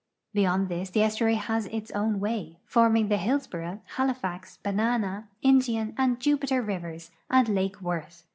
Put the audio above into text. Beyond this the estuary has its own way, forming the Hillsboro, Halilax, Banana, Indian, and Jupiter rivers and lake Worth.